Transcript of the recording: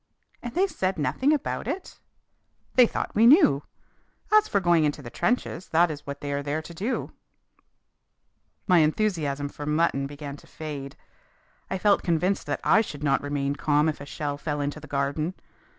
"And they said nothing about it!" "They thought we knew. As for going into the trenches, that is what they are there to do." My enthusiasm for mutton began to fade. I felt convinced that I should not remain calm if a shell fell into the garden.